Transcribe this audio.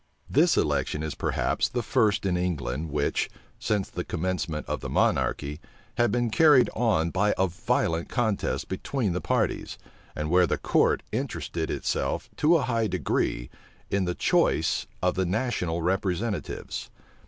This election is perhaps the first in England, which, since the commencement of the monarchy, had been carried on by a violent contest between the parties, and where the court interested itself to a high degree in the choice of the national representatives.